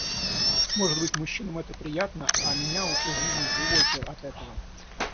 Может быть, мужчинам это приятно, а меня, уж извините, увольте от этого.